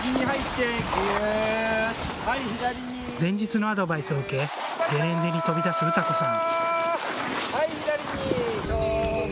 前日のアドバイスを受けゲレンデに飛び出す詩子さん。